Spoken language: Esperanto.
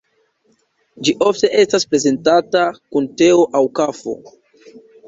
Ĝi ofte estas prezentata kun teo aŭ kafo.